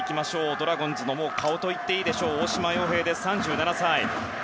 ドラゴンズの顔と言っていいでしょう大島洋平、３７歳。